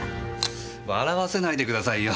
笑わせないでくださいよ。